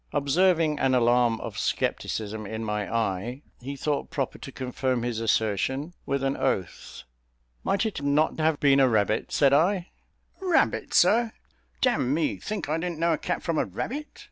Observing an alarm of scepticism in my eye, he thought proper to confirm his assertion with an oath. "Might it not have been a rabbit?" said I. "Rabbit, sir; d n me, think I didn't know a cat from a rabbit?